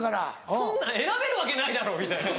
そんなの選べるわけないだろ！みたいな。